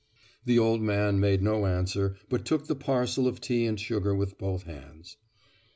The old man made no answer but took the parcel of tea and sugar with both hands.